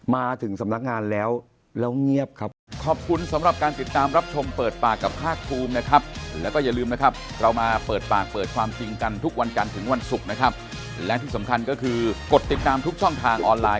มาถึงสำนักงานแล้วแล้วเงียบครับ